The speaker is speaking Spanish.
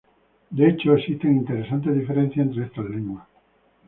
De hecho, existen interesantes diferencias entre estas lenguas.